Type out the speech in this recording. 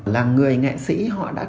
là người nghệ sĩ họ đã